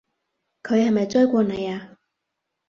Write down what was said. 佢係咪追過你啊？